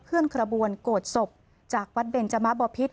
เคลื่อนขบวนโกรธศพจากวัดเบนจมะบอพิษ